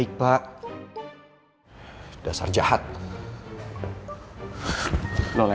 ini pak customer kita kembali